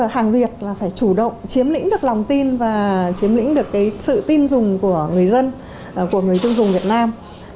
hàng việt là phải chủ động chiếm lĩnh được lòng tin và chiếm lĩnh được sự tin dùng của người dân của người tiêu dùng việt nam